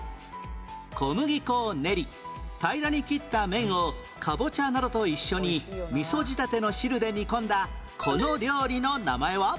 小麦粉を練り平らに切った麺をカボチャなどと一緒に味噌仕立ての汁で煮込んだこの料理の名前は？